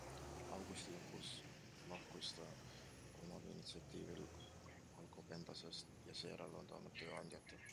Augusti lõpus lahkus ta omal initsiatiivil Alcobendasest ja seejärel on ta olnud tööandjata.